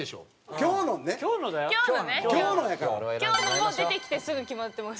今日のもう出てきてすぐ決まってます。